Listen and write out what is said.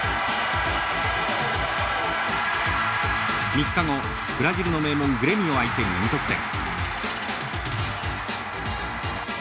３日後ブラジルの名門グレミオを相手に２得点。